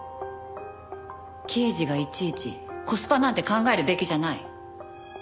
刑事がいちいちコスパなんて考えるべきじゃない。